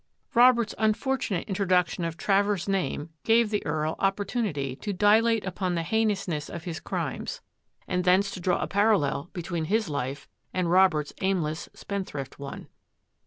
Robert's unfor tunate introduction of Travers' name gave the Earl opportunity to dilate upon the heinousness of his crimes and thence to draw a parallel between his life and Robert's aimless, spendthrift one.